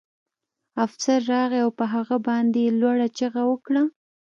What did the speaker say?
افسر راغی او په هغه باندې یې لوړه چیغه وکړه